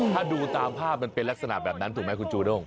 ถ้าดูตามภาพมันเป็นลักษณะแบบนั้นถูกไหมคุณจูด้ง